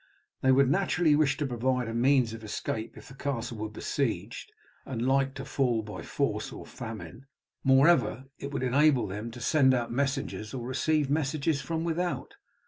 They would naturally wish to provide a means of escape if the castle were besieged, and like to fall by force or famine; moreover it would enable them to send out messengers or receive messages from without.